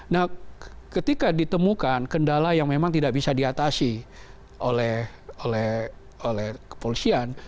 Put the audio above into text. nah ketika ditemukan kendala yang memang tidak bisa diatasi oleh kepolisian